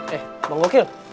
eh bangun wakil